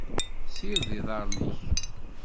Sired iḍaren-inek.